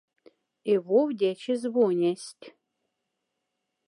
И вов тячи звонясть.